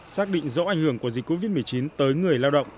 xác định rõ ảnh hưởng của dịch covid một mươi chín tới người lao động